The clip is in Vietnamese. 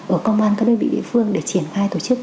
ở công an các đơn vị địa phương để triển khai tổ chức